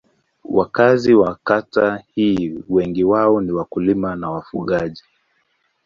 Wakazi wa kata hii wengi wao ni wakulima na wafugaji.